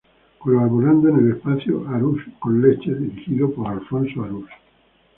Colaborando en el espacio "Arús con leche," dirigido por su Alfonso Arús.